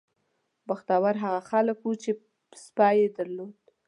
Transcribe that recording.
بختور هغه خلک وو چې سپی یې درلود.